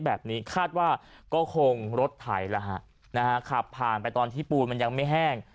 คาดว่าก็คงรถไถแล้วฮะนะฮะขับผ่านไปตอนที่ปูนมันยังไม่แห้ง